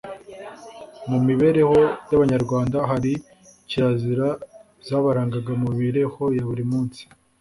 Mu mibereho y’abanyarwanda har kirazira zabaranganga mu mibereho ya buri munsi